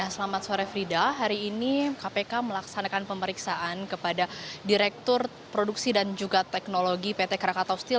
selamat sore frida hari ini kpk melaksanakan pemeriksaan kepada direktur produksi dan juga teknologi pt krakatau steel